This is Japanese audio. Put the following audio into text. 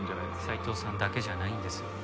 斉藤さんだけじゃないんです。